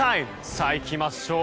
さあ、いきましょう。